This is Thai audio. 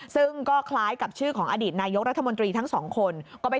ซึ่งก็คล้ายกับชื่อของอดีตนายกรัฐมนตรีทั้งสองคน